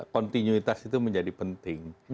kontinuitas itu menjadi penting